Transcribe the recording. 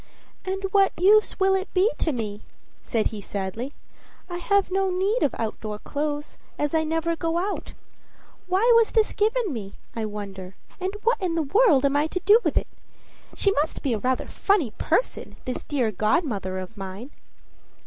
"And what use will it be to me?" said he sadly. "I have no need of outdoor clothes, as I never go out. Why was this given me, I wonder? and what in the world am I to do with it? She must be a rather funny person, this dear godmother of mine."